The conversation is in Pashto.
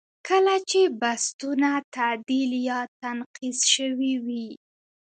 کله چې بستونه تعدیل یا تنقیض شوي وي.